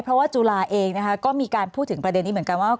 เพราะว่าจุฬาเองนะคะก็มีการพูดถึงประเด็นนี้เหมือนกันว่า